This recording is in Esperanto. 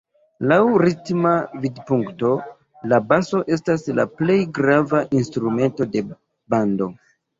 Laŭ ritma vidpunkto la baso estas la plej grava instrumento de bando.